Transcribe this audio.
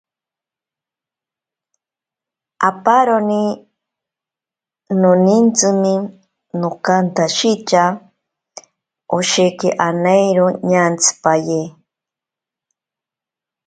Aparoni nonintsime nokantshitya, osheki anairo ñantsipaye.